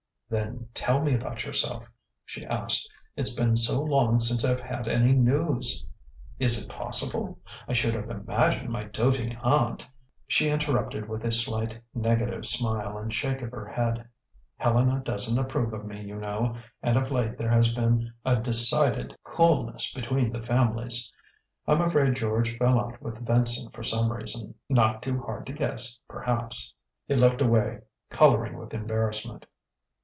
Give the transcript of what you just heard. "Then tell me about yourself," she asked. "It's been so long since I've had any news!" "Is it possible? I should have imagined my doting aunt " She interrupted with a slight, negative smile and shake of her head: "Helena doesn't approve of me, you know, and of late there has been a decided coolness between the families. I'm afraid George fell out with Vincent for some reason not too hard to guess, perhaps." He looked away, colouring with embarrassment.